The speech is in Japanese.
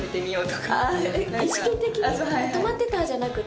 「止まってた」じゃなくて？